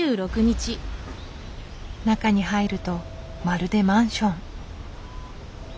中に入るとまるでマンション。